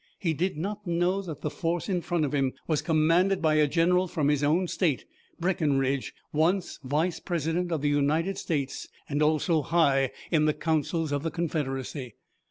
He did not know that the force in front of him was commanded by a general from his own state, Breckinridge, once Vice President of the United States and also high in the councils of the Confederacy.